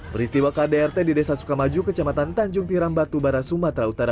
peristiwa kdrt di desa sukamaju kecamatan tanjung tirambatu barasumatra utara